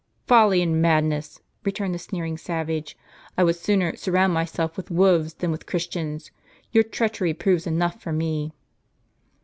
" Folly and madness !" returned the sneering savage. " I would sooner surround myself with Avolves than with Chris tians. Your treachery proves enough for me."